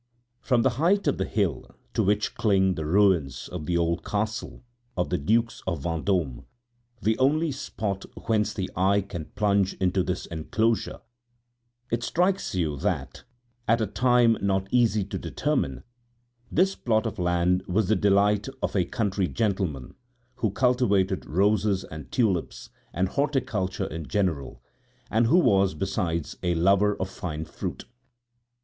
From the height of the hill, to which cling the ruins of the old castle of the Dukes of Vendôme, the only spot whence the eye can plunge into this enclosure, it strikes you that, at a time not easy to determine, this plot of land was the delight of a country gentleman, who cultivated roses and tulips and horticulture in general, and who was besides a lover of fine fruit.